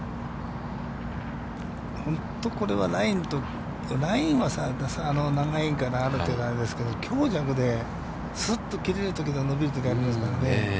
本当これはラインと、ラインは長いからある程度あれですけど、強弱で、すっと切れるときと伸びるときがありますからね。